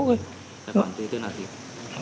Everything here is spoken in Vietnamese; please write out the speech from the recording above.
tài khoản tên là gì